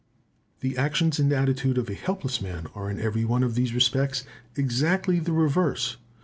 The actions and attitude of a helpless man are, in every one of these respects, exactly the reverse.